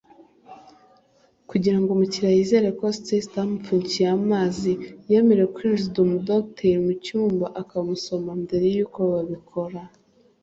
Kugira ngo umukiliya yizere ko Stacey atamupfunyikiye amazi yemerewe kwijiza umudogiteri mu cyumba akamusoma mbere y’ uko babikora